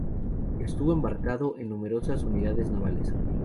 Estuvo embarcado en numerosas unidades navales.